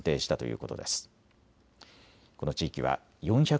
この地域は４００